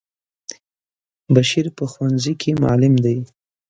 بشیر په ښونځی کی معلم دی.